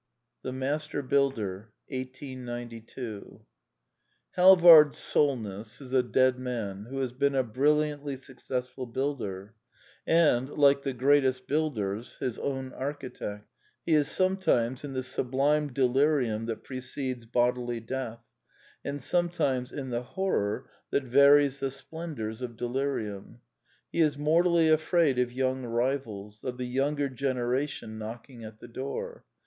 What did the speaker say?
The Master Builder 1892 Halvard Solness is a dead man who has been a brilliantly successful builder, and, like the great est builders, his own architect. He is sometimes in the sublime delirium that precedes bodily death, and sometimes in the horror that varies the splen dors of delirium. He is mortally afraid of young rivals; of the younger generation knocking at the door.